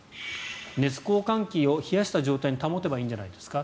熱交換器を冷やした状態に保てばいいんじゃないですか。